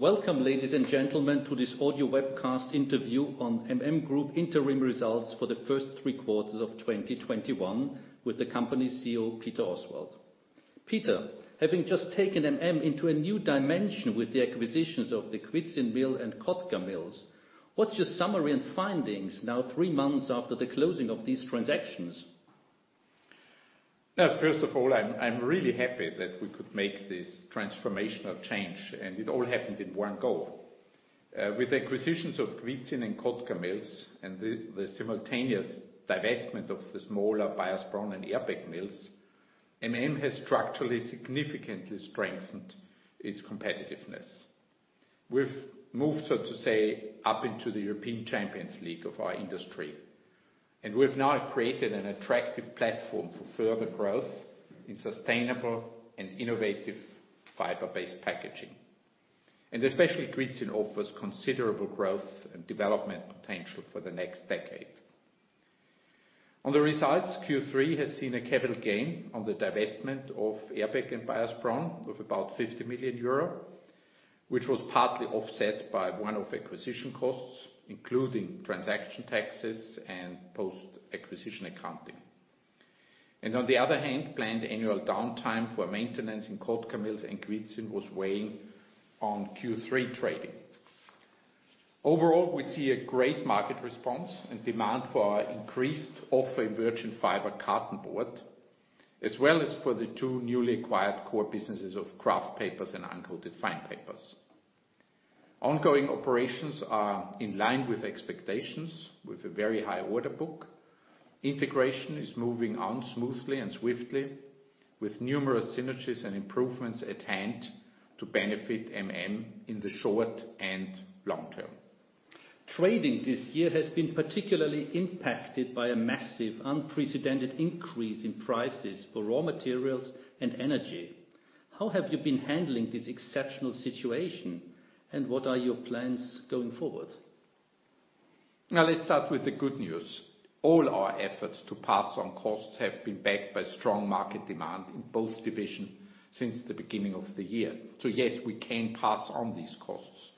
Welcome, ladies and gentlemen, to this audio webcast interview on MM Group interim results for the first three quarters of 2021 with the company CEO, Peter Oswald. Peter, having just taken MM into a new dimension with the acquisitions of the Kwidzyn Mill and Kotkamills, what's your summary and findings now three months after the closing of these transactions? Now, first of all, I'm really happy that we could make this transformational change, and it all happened in one go. With acquisitions of Kwidzyn and Kotkamills and the simultaneous divestment of the smaller Baiersbronn and Eerbeek Mills, MM has structurally significantly strengthened its competitiveness. We've moved, so to say, up into the European Champions League of our industry, and we've now created an attractive platform for further growth in sustainable and innovative fiber-based packaging. Especially Kwidzyn offers considerable growth and development potential for the next decade. On the results, Q3 has seen a capital gain on the divestment of Eerbeek and Baiersbronn of about 50 million euro, which was partly offset by one-off acquisition costs, including transaction taxes and post-acquisition accounting. On the other hand, planned annual downtime for maintenance in Kotkamills and Kwidzyn was weighing on Q3 trading. Overall, we see a great market response and demand for our increased offer in virgin fiber cartonboard, as well as for the two newly acquired core businesses of kraft papers and uncoated fine papers. Ongoing operations are in line with expectations with a very high order book. Integration is moving on smoothly and swiftly with numerous synergies and improvements at hand to benefit MM in the short and long term. Trading this year has been particularly impacted by a massive unprecedented increase in prices for raw materials and energy. How have you been handling this exceptional situation, and what are your plans going forward? Now, let's start with the good news. All our efforts to pass on costs have been backed by strong market demand in both divisions since the beginning of the year. Yes, we can pass on these costs.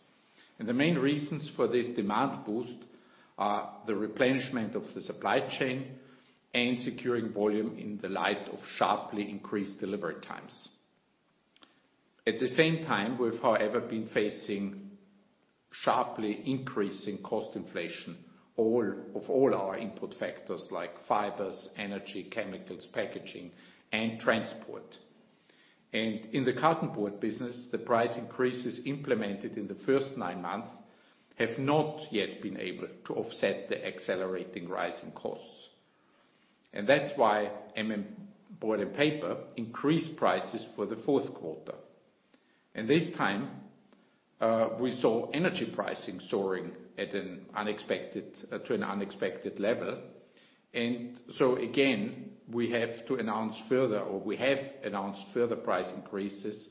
The main reasons for this demand boost are the replenishment of the supply chain and securing volume in the light of sharply increased delivery times. At the same time, we've however been facing sharply increasing cost inflation of all our input factors like fibers, energy, chemicals, packaging and transport. In the cartonboard business, the price increases implemented in the first nine months have not yet been able to offset the accelerating rise in costs. That's why MM Board & Paper increased prices for the fourth quarter. This time, we saw energy pricing soaring to an unexpected level. Again, we have to announce further, or we have announced further price increases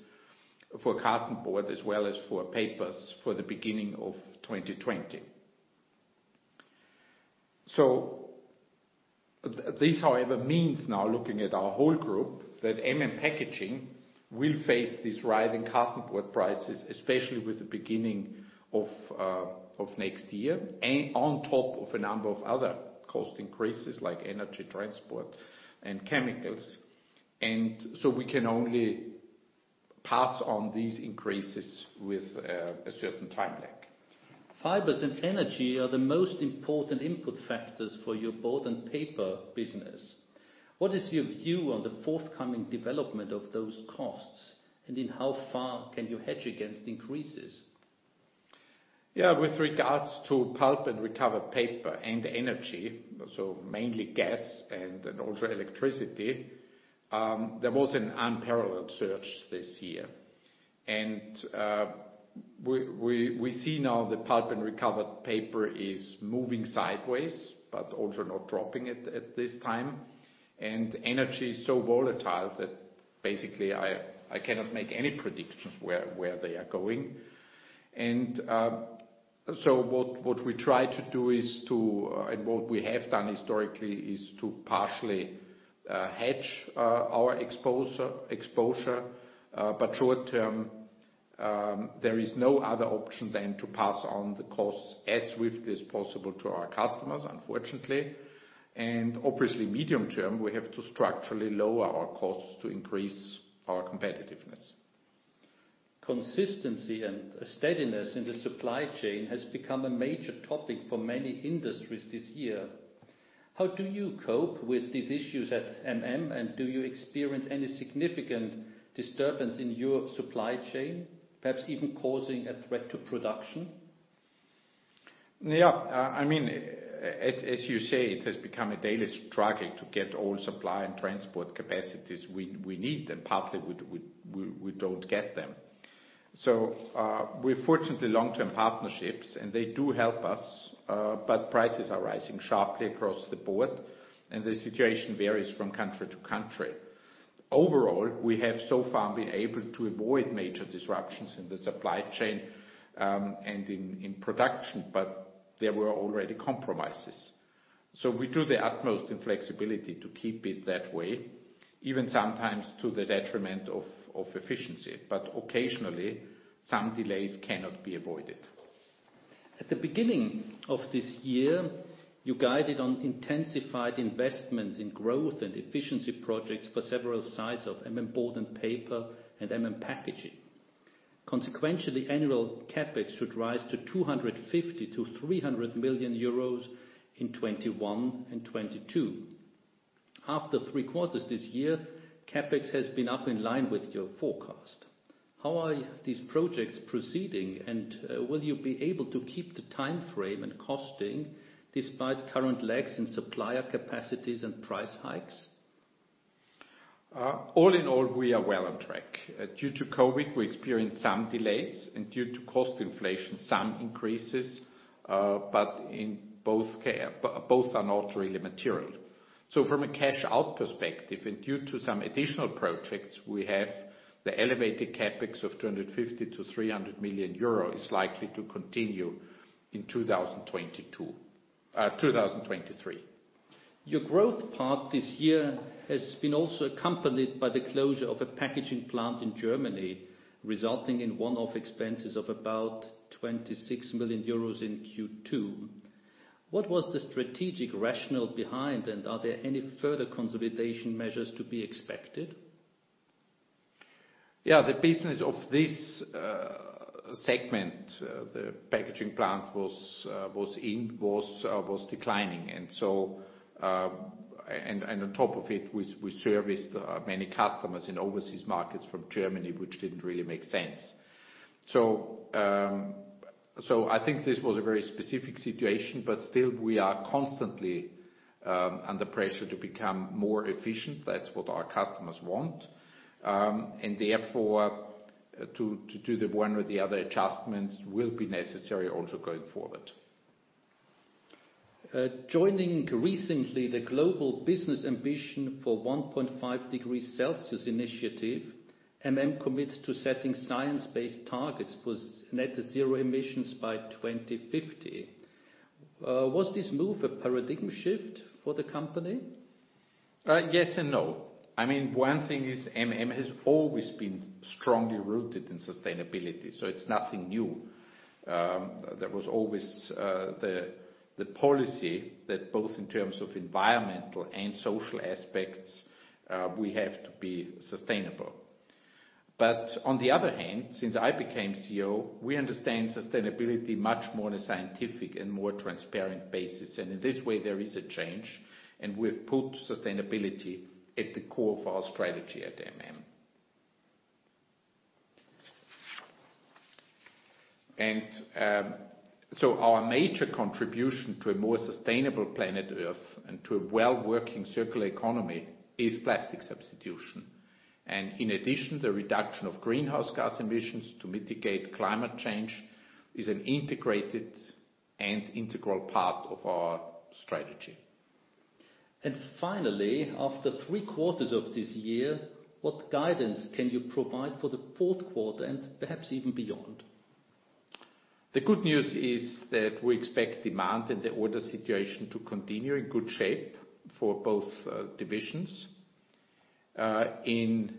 for cartonboard as well as for papers for the beginning of 2020. This however means now looking at our whole group, that MM Packaging will face this rise in cartonboard prices, especially with the beginning of next year and on top of a number of other cost increases like energy, transport, and chemicals. We can only pass on these increases with a certain time lag. Fibers and energy are the most important input factors for your Board & Paper business. What is your view on the forthcoming development of those costs, and in how far can you hedge against increases? Yeah. With regards to pulp and recovered paper and energy, so mainly gas and also electricity, there was an unparalleled surge this year. We see now the pulp and recovered paper is moving sideways, but also not dropping at this time. Energy is so volatile that basically I cannot make any predictions where they are going. What we try to do is, and what we have done historically is to partially hedge our exposure, but short term, there is no other option than to pass on the costs as swiftly as possible to our customers, unfortunately. Obviously medium term, we have to structurally lower our costs to increase our competitiveness. Consistency and steadiness in the supply chain has become a major topic for many industries this year. How do you cope with these issues at MM, and do you experience any significant disturbance in your supply chain, perhaps even causing a threat to production? I mean, as you say, it has become a daily struggle to get all supply and transport capacities we need, and partly we don't get them. We've fortunately long-term partnerships, and they do help us, but prices are rising sharply across the board and the situation varies from country to country. Overall, we have so far been able to avoid major disruptions in the supply chain, and in production, but there were already compromises. We do the utmost in flexibility to keep it that way, even sometimes to the detriment of efficiency. Occasionally, some delays cannot be avoided. At the beginning of this year, you guided on intensified investments in growth and efficiency projects for several sites of MM Board & Paper and MM Packaging. Consequently, annual CapEx should rise to 250 million-300 million euros in 2021 and 2022. After three quarters this year, CapEx has been up in line with your forecast. How are these projects proceeding, and will you be able to keep the timeframe and costing despite current lags in supplier capacities and price hikes? All in all, we are well on track. Due to COVID, we experienced some delays, and due to cost inflation, some increases, but both are not really material. From a cash-out perspective, and due to some additional projects we have, the elevated CapEx of 250 million-300 million euro is likely to continue in 2022-2023. Your growth path this year has been also accompanied by the closure of a packaging plant in Germany, resulting in one-off expenses of about 26 million euros in Q2. What was the strategic rationale behind, and are there any further consolidation measures to be expected? Yeah. The business of this segment, the packaging plant, was declining. On top of it, we serviced many customers in overseas markets from Germany, which didn't really make sense. I think this was a very specific situation, but still we are constantly under pressure to become more efficient. That's what our customers want. Therefore, to do the one or the other adjustments will be necessary also going forward. Joining recently the Global Business Ambition for 1.5°C initiative, MM commits to setting science-based targets with net zero emissions by 2050. Was this move a paradigm shift for the company? Yes and no. I mean, one thing is MM has always been strongly rooted in sustainability, so it's nothing new. There was always the policy that both in terms of environmental and social aspects we have to be sustainable. On the other hand, since I became CEO, we understand sustainability much more in a scientific and more transparent basis. In this way, there is a change, and we've put sustainability at the core of our strategy at MM. Our major contribution to a more sustainable planet Earth and to a well-working circular economy is plastic substitution. In addition, the reduction of greenhouse gas emissions to mitigate climate change is an integrated and integral part of our strategy. Finally, after three quarters of this year, what guidance can you provide for the fourth quarter and perhaps even beyond? The good news is that we expect demand and the order situation to continue in good shape for both divisions. In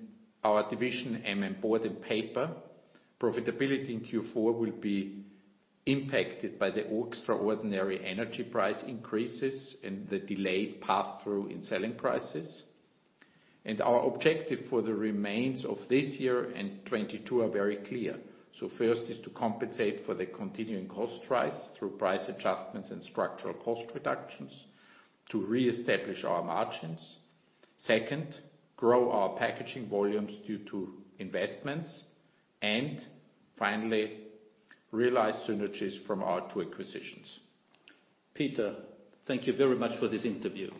our division, MM Board & Paper, profitability in Q4 will be impacted by the extraordinary energy price increases and the delayed pass-through in selling prices. Our objective for the remainder of this year and 2022 are very clear. First is to compensate for the continuing cost rise through price adjustments and structural cost reductions to reestablish our margins. Second, grow our packaging volumes due to investments. Finally, realize synergies from our two acquisitions. Peter, thank you very much for this interview.